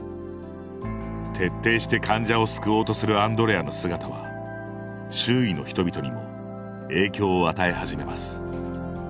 徹底して患者を救おうとするアンドレアの姿は周囲の人々にも影響を与え始めます。